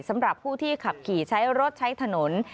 สำหรับผู้ที่ขับขี่ใช้รถใช้ถนน